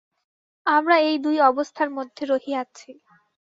আমরা এই দুই অবস্থার মধ্যে রহিয়াছি।